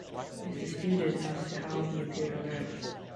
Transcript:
It is disputed as to how he appeared on Earth.